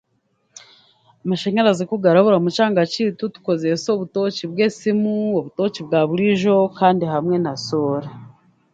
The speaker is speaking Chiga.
Amashanyarazi ku garabura omu kyanga kyaitu tukozesha obutooci bw'esimu obutooci bwaburiijo kandi hamwe na soora